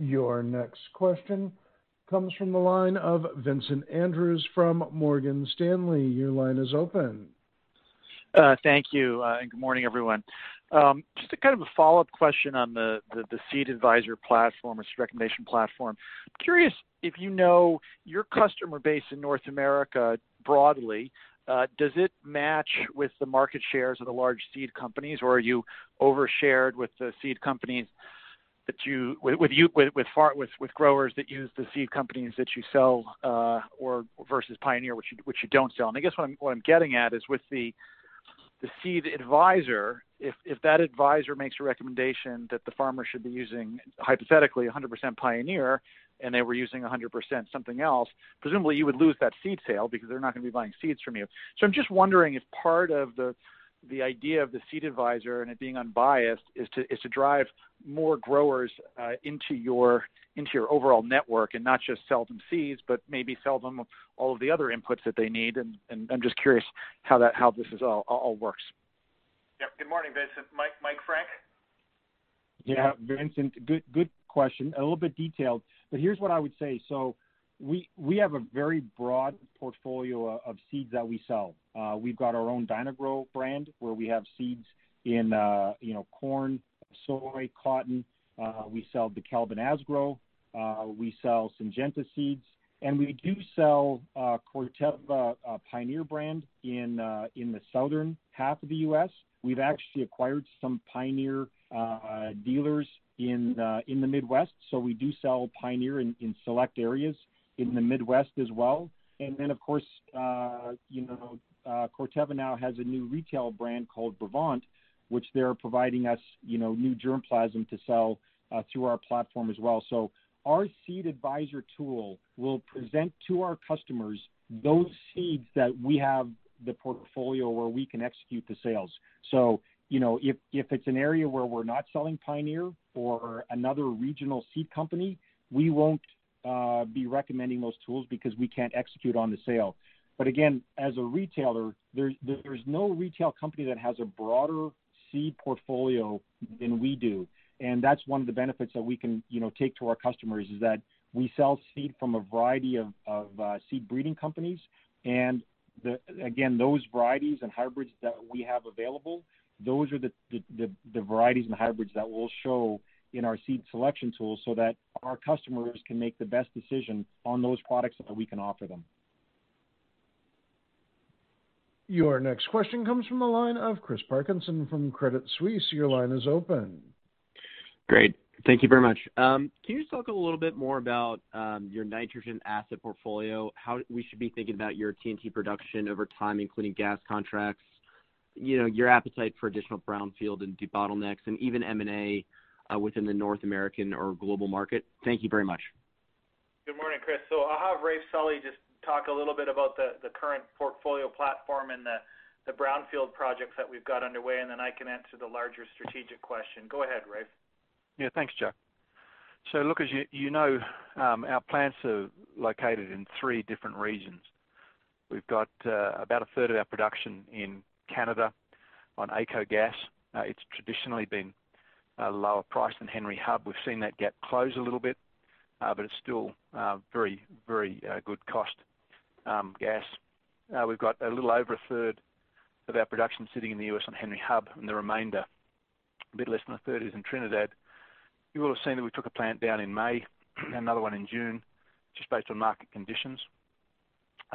Your next question comes from the line of Vincent Andrews from Morgan Stanley. Your line is open. Thank you. Good morning, everyone. Just a kind of a follow-up question on the Seed Advisor platform or seed recommendation platform. Curious if you know your customer base in North America broadly, does it match with the market shares of the large seed companies? Are you over-shared with the seed companies, with growers that use the seed companies that you sell, versus Pioneer, which you don't sell? I guess what I am getting at is with the Seed Advisor, if that advisor makes a recommendation that the farmer should be using, hypothetically, 100% Pioneer, and they were using 100% something else, presumably you would lose that seed sale because they are not going to be buying seeds from you. I'm just wondering if part of the idea of the seed advisor and it being unbiased is to drive more growers into your overall network, and not just sell them seeds, but maybe sell them all of the other inputs that they need. I'm just curious how this all works. Yep. Good morning, Vincent. Mike Frank? Yeah, Vincent, good question. A little bit detailed, here's what I would say. We have a very broad portfolio of seeds that we sell. We've got our own Dyna-Gro brand, where we have seeds in corn, soy, cotton. We sell DEKALB and Asgrow. We sell Syngenta seeds, we do sell Corteva Pioneer brand in the southern half of the U.S. We've actually acquired some Pioneer dealers in the Midwest, we do sell Pioneer in select areas in the Midwest as well. Of course, Corteva now has a new retail brand called Brevant, which they're providing us new germplasm to sell through our platform as well. Our seed advisor tool will present to our customers those seeds that we have the portfolio where we can execute the sales. If it's an area where we're not selling Pioneer or another regional seed company, we won't be recommending those tools because we can't execute on the sale. Again, as a retailer, there's no retail company that has a broader seed portfolio than we do. That's one of the benefits that we can take to our customers, is that we sell seed from a variety of seed breeding companies. Again, those varieties and hybrids that we have available, those are the varieties and hybrids that we'll show in our seed selection tool so that our customers can make the best decision on those products that we can offer them. Your next question comes from the line of Chris Parkinson from Credit Suisse. Your line is open. Great. Thank you very much. Can you just talk a little bit more about your nitrogen asset portfolio, how we should be thinking about your Trinidad production over time, including gas contracts, your appetite for additional brownfield and debottlenecks, and even M&A within the North American or global market? Thank you very much. Good morning, Chris. I'll have Raef Sully just talk a little bit about the current portfolio platform and the brownfield projects that we've got underway, and then I can answer the larger strategic question. Go ahead, Raef. Thanks, Chuck. As you know, our plants are located in three different regions. We've got about a third of our production in Canada on AECO Gas. It's traditionally been a lower price than Henry Hub. We've seen that gap close a little bit, it's still very good cost gas. We've got a little over a third of our production sitting in the U.S. on Henry Hub, the remainder, a bit less than a third, is in Trinidad. You will have seen that we took a plant down in May and another one in June, just based on market conditions.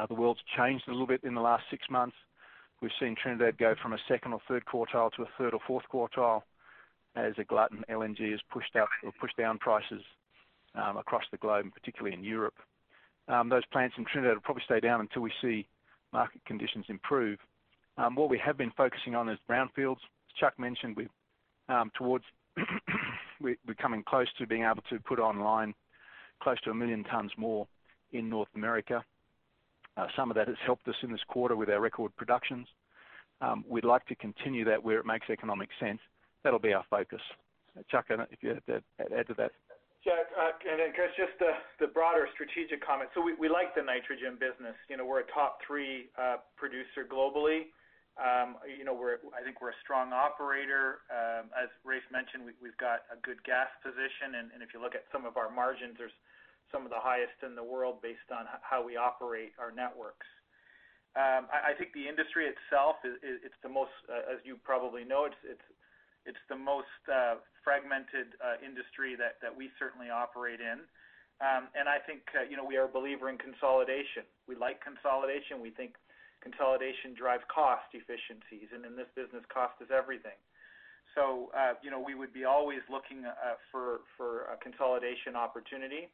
The world's changed a little bit in the last six months. We've seen Trinidad go from a second or third quartile to a third or fourth quartile as a glut in LNG has pushed down prices across the globe, particularly in Europe. Those plants in Trinidad will probably stay down until we see market conditions improve. What we have been focusing on is brownfields. As Chuck mentioned, we're coming close to being able to put online close to a million tons more in North America. Some of that has helped us in this quarter with our record productions. We'd like to continue that where it makes economic sense. That'll be our focus. Chuck, if you had to add to that. Yeah. Then Chris, just the broader strategic comment. We like the nitrogen business. We're a top three producer globally. I think we're a strong operator. As Raef mentioned, we've got a good gas position, and if you look at some of our margins, they're some of the highest in the world based on how we operate our networks. I think the industry itself, as you probably know, it's the most fragmented industry that we certainly operate in. I think we are a believer in consolidation. We like consolidation. We think consolidation drives cost efficiencies. In this business, cost is everything. We would be always looking for a consolidation opportunity.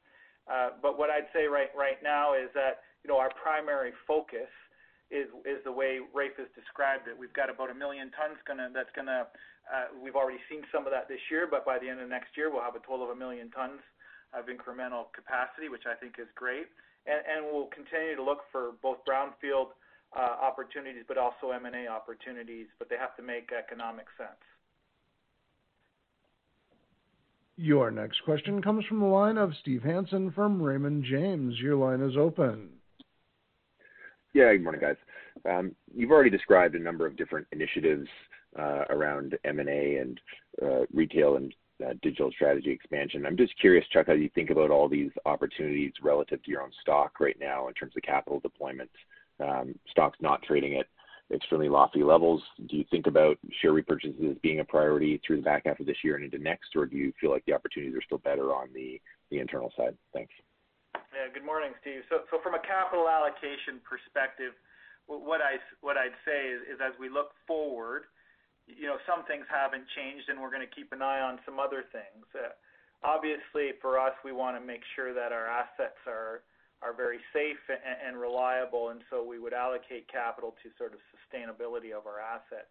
What I'd say right now is that our primary focus is the way Raef has described it. We've got about 1 million tons. We've already seen some of that this year, but by the end of next year, we'll have a total of 1 million tons of incremental capacity, which I think is great. We'll continue to look for both brownfield opportunities, but also M&A opportunities, but they have to make economic sense. Your next question comes from the line of Steve Hansen from Raymond James. Your line is open. Good morning, guys. You've already described a number of different initiatives around M&A and retail and digital strategy expansion. I'm just curious, Chuck, how you think about all these opportunities relative to your own stock right now in terms of capital deployment. Stock's not trading at extremely lofty levels. Do you think about share repurchases being a priority through the back half of this year and into next, or do you feel like the opportunities are still better on the internal side? Thanks. Yeah. Good morning, Steve. From a capital allocation perspective, what I'd say is as we look forward. Some things haven't changed, and we're going to keep an eye on some other things. Obviously, for us, we want to make sure that our assets are very safe and reliable, and so we would allocate capital to sort of sustainability of our assets.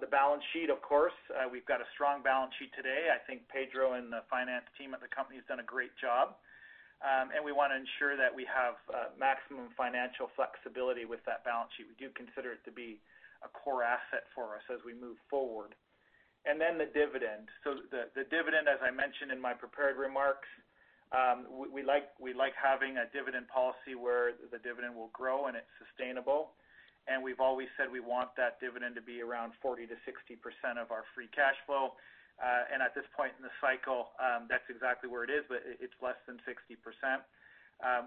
The balance sheet, of course, we've got a strong balance sheet today. I think Pedro and the finance team at the company has done a great job. We want to ensure that we have maximum financial flexibility with that balance sheet. We do consider it to be a core asset for us as we move forward. The dividend. The dividend, as I mentioned in my prepared remarks, we like having a dividend policy where the dividend will grow and it's sustainable. We've always said we want that dividend to be around 40%-60% of our free cash flow. At this point in the cycle, that's exactly where it is, but it's less than 60%,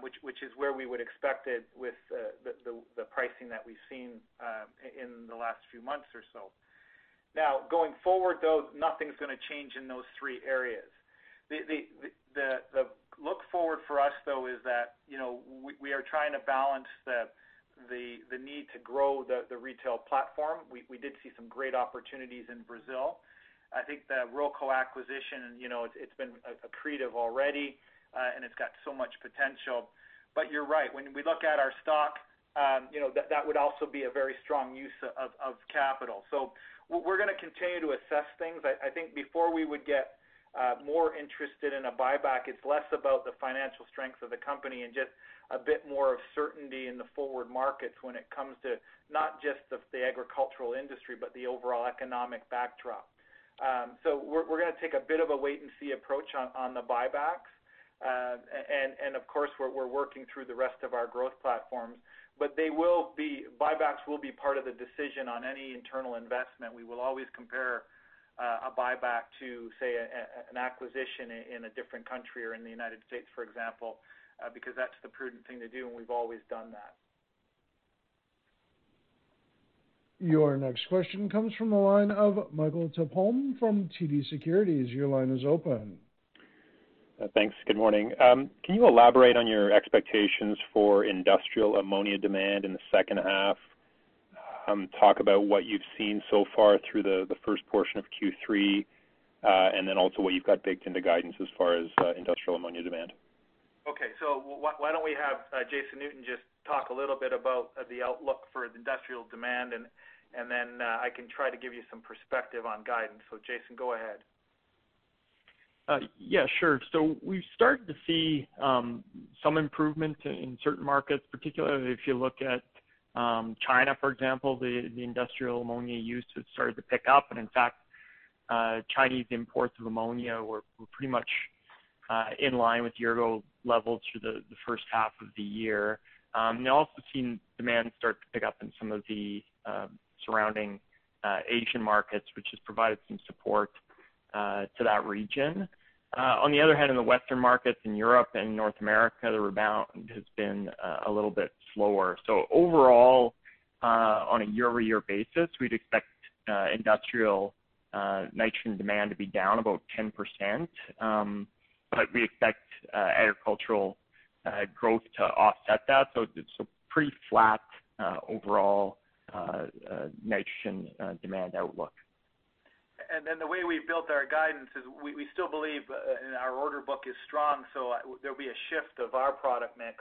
which is where we would expect it with the pricing that we've seen in the last few months or so. Going forward, though, nothing's going to change in those three areas. The look forward for us, though, is that we are trying to balance the need to grow the retail platform. We did see some great opportunities in Brazil. I think the Ruralco acquisition, it's been accretive already, and it's got so much potential. You're right. When we look at our stock, that would also be a very strong use of capital. We're going to continue to assess things. I think before we would get more interested in a buyback, it's less about the financial strength of the company and just a bit more of certainty in the forward markets when it comes to not just the agricultural industry, but the overall economic backdrop. We're going to take a bit of a wait and see approach on the buybacks. Of course, we're working through the rest of our growth platforms. Buybacks will be part of the decision on any internal investment. We will always compare a buyback to, say, an acquisition in a different country or in the U.S., for example, because that's the prudent thing to do, and we've always done that. Your next question comes from the line of Michael Tupholme from TD Securities. Your line is open. Thanks. Good morning. Can you elaborate on your expectations for industrial ammonia demand in the second half? Talk about what you've seen so far through the first portion of Q3, and then also what you've got baked into guidance as far as industrial ammonia demand. Okay. Why don't we have Jason Newton just talk a little bit about the outlook for industrial demand, and then I can try to give you some perspective on guidance. Jason, go ahead. Yeah, sure. We've started to see some improvement in certain markets, particularly if you look at China, for example, the industrial ammonia use has started to pick up. In fact, Chinese imports of ammonia were pretty much in line with year-ago levels through the first half of the year. We've also seen demand start to pick up in some of the surrounding Asian markets, which has provided some support to that region. On the other hand, in the Western markets in Europe and North America, the rebound has been a little bit slower. Overall, on a year-over-year basis, we'd expect industrial nitrogen demand to be down about 10%, but we expect agricultural growth to offset that. It's a pretty flat overall nitrogen demand outlook. The way we've built our guidance is we still believe our order book is strong, so there'll be a shift of our product mix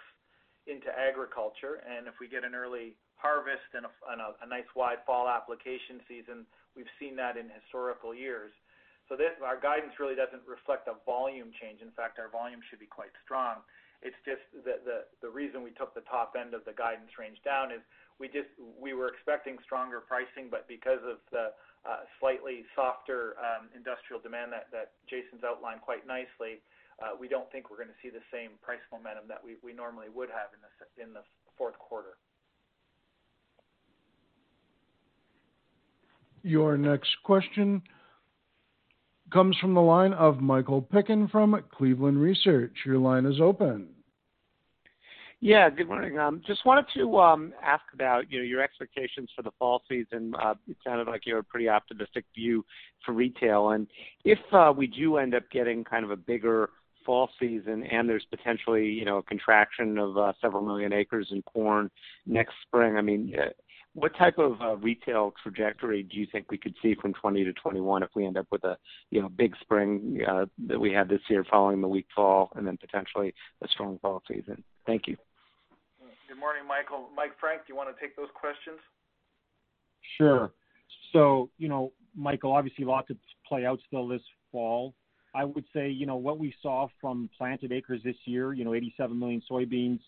into agriculture. If we get an early harvest and a nice wide fall application season, we've seen that in historical years. Our guidance really doesn't reflect a volume change. In fact, our volume should be quite strong. It's just the reason we took the top end of the guidance range down is we were expecting stronger pricing, but because of the slightly softer industrial demand that Jason's outlined quite nicely, we don't think we're going to see the same price momentum that we normally would have in the fourth quarter. Your next question comes from the line of Michael Piken from Cleveland Research. Your line is open. Yeah, good morning. Just wanted to ask about your expectations for the fall season. It sounded like you have a pretty optimistic view for retail. If we do end up getting kind of a bigger fall season, and there's potentially a contraction of several million acres in corn next spring, what type of retail trajectory do you think we could see from 2020 to 2021 if we end up with a big spring that we had this year following the weak fall and then potentially a strong fall season? Thank you. Good morning, Michael. Mike Frank, do you want to take those questions? Sure. Michael, obviously lots to play out still this fall. I would say what we saw from planted acres this year, 87 million soybeans,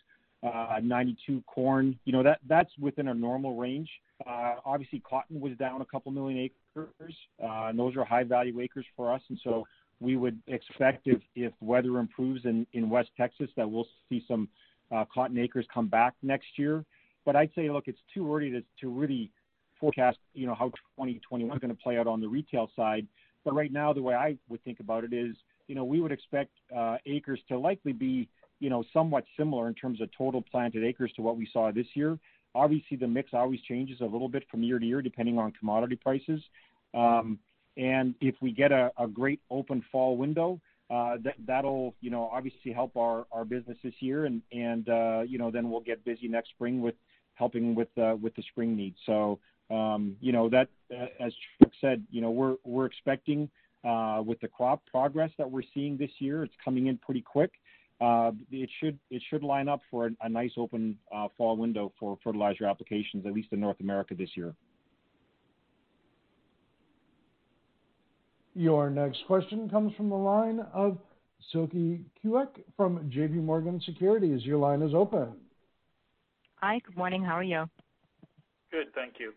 92 corn, that's within our normal range. Obviously, cotton was down a couple million acres. Those are high-value acres for us, we would expect if weather improves in West Texas, that we'll see some cotton acres come back next year. I'd say, look, it's too early to really forecast how 2021 is going to play out on the retail side. Right now, the way I would think about it is we would expect acres to likely be somewhat similar in terms of total planted acres to what we saw this year. Obviously, the mix always changes a little bit from year to year, depending on commodity prices. If we get a great open fall window, that'll obviously help our business this year and then we'll get busy next spring with helping with the spring needs. As Chuck said, we're expecting with the crop progress that we're seeing this year, it's coming in pretty quick. It should line up for a nice open fall window for fertilizer applications, at least in North America this year. Your next question comes from the line of Silke Kueck from J.P. Morgan Securities. Hi, good morning. How are you? Good, thank you.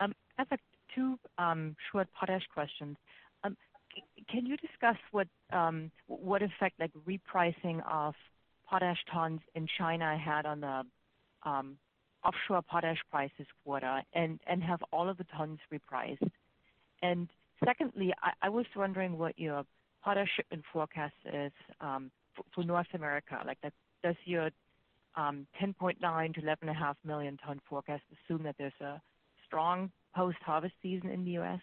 I have two short potash questions. Can you discuss what effect the repricing of potash tons in China had on the offshore potash price this quarter, and have all of the tons repriced? Secondly, I was wondering what your potash shipment forecast is for North America, like this year 10.9 million to 11.5 million tons forecast, assume that there's a strong post-harvest season in the U.S.?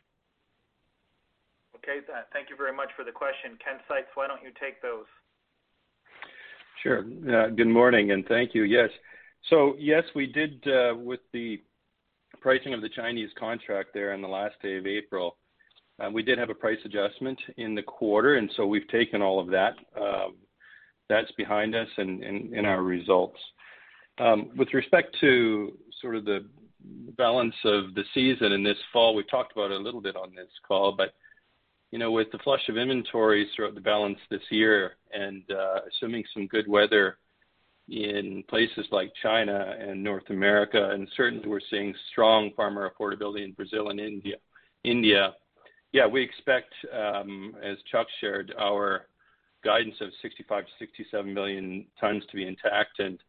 Okay. Thank you very much for the question. Ken Seitz, why don't you take those? Sure. Good morning, thank you. Yes, yes, we did with the pricing of the Chinese contract there on the last day of April, we did have a price adjustment in the quarter, we've taken all of that. That's behind us in our results. With respect to sort of the balance of the season in this fall, we talked about it a little bit on this call, with the flush of inventories throughout the balance this year and assuming some good weather in places like China and North America, certainly we're seeing strong farmer affordability in Brazil and India. We expect, as Chuck shared, our guidance of 65 million-67 million tons to be intact and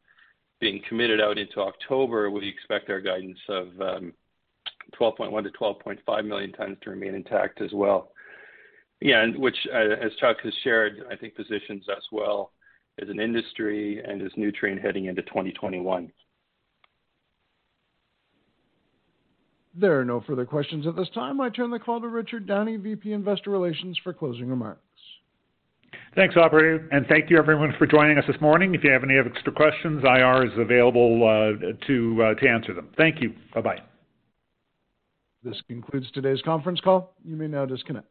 being committed out into October, we expect our guidance of 12.1 million-12.5 million tons to remain intact as well. Yeah, which, as Chuck has shared, I think positions us well as an industry and as Nutrien heading into 2021. There are no further questions at this time. I turn the call to Richard Downey, VP Investor Relations, for closing remarks. Thanks, operator, and thank you everyone for joining us this morning. If you have any extra questions, IR is available to answer them. Thank you. Bye-bye. This concludes today's conference call. You may now disconnect.